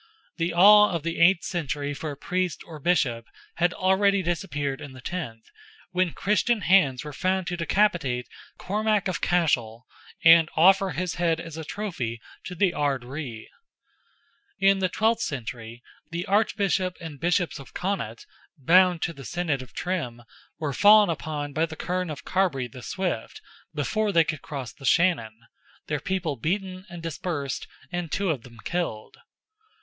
The awe of the eighth century for a Priest or Bishop had already disappeared in the tenth, when Christian hands were found to decapitate Cormac of Cashel, and offer his head as a trophy to the Ard Righ. In the twelfth century the Archbishop and Bishops of Connaught, bound to the Synod of Trim, were fallen upon by the Kern of Carbre the Swift, before they could cross the Shannon, their people beaten and dispersed and two of them killed.